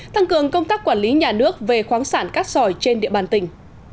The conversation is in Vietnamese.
tăng cường công tác quản lý nhà nước về khoáng sản cát sỏi trên địa bàn tỉnh